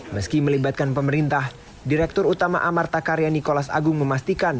meski melibatkan pemerintah direktur utama amartakarya nikolas agung memastikan